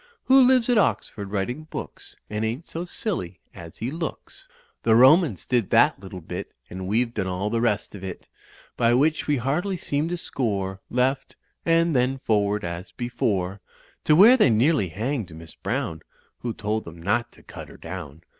Who lives at Oxford writing books, And ain't so ^illy as he looks; The Romans did that little bit And we've done all the rest of it; By which we hardly seem to score; Left, and then forward as before To where they nearly hanged Miss Browne, Who told them not to cut her down.